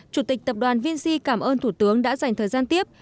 chủ tịch tập đoàn vinci cảm ơn thủ tướng đã dành thời gian tiếp